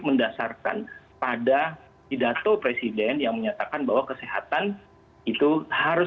mendasarkan pada pidato presiden yang menyatakan bahwa kesehatan itu harus